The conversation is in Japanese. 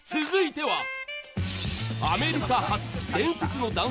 続いては。